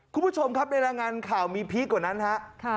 คุณผู้ชมครับในรายงานข่าวมีพีคกว่านั้นฮะ